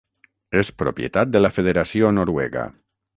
És propietat de la Federació Noruega.